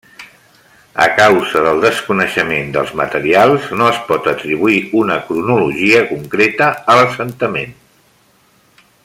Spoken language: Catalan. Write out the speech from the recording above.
A causa del desconeixement dels materials, no es pot atribuir una cronologia concreta a l'assentament.